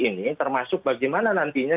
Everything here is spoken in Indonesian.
ini termasuk bagaimana nantinya